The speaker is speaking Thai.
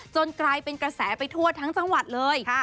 กลายเป็นกระแสไปทั่วทั้งจังหวัดเลย